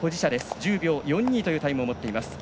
１０秒４２というタイムを持っています。